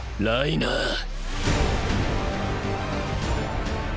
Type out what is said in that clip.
ライナー！！